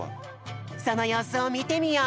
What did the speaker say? そのようすをみてみよう！